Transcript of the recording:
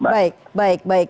baik baik baik